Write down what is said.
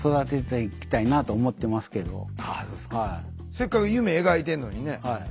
せっかく夢描いてんのにね。